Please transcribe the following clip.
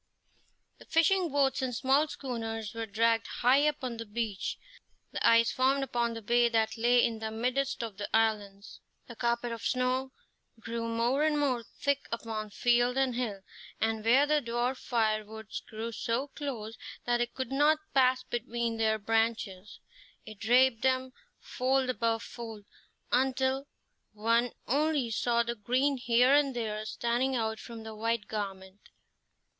The fishing boats and small schooners were dragged high up on the beach. The ice formed upon the bay that lay in the midst of the islands. The carpet of snow grew more and more thick upon field and hill, and where the dwarf firwoods grew so close that it could not pass between their branches, it draped them, fold above fold, until one only saw the green here and there standing out from the white garment.